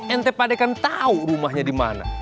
ente pada akan tau rumahnya dimana